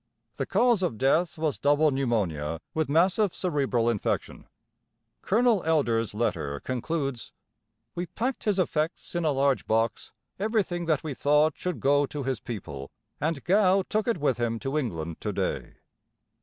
The cause of death was double pneumonia with massive cerebral infection. Colonel Elder's letter concludes: "We packed his effects in a large box, everything that we thought should go to his people, and Gow took it with him to England to day."